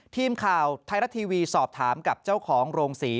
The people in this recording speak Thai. ทีมข่าวไทยรัฐทีวีสอบถามกับเจ้าของโรงศรี